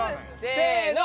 せの。